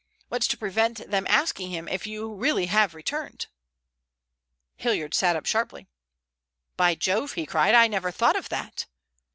What's to prevent them asking him if you really have returned?" Hilliard sat up sharply. "By Jove!" he cried. "I never thought of that."